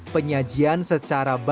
penyajian secara berbeda